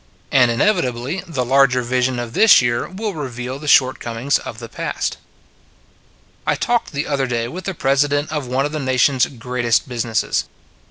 And inevitably the larger vision of this year will reveal the shortcomings of the past. 3 4 It s a Good Old World I talked the other day with the president of one of the nation s greatest businesses.